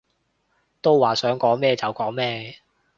都話想講咩就講咩